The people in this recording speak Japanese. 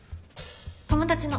友達の。